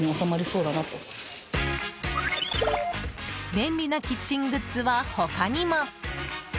便利なキッチングッズは他にも。